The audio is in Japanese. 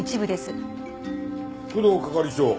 工藤係長。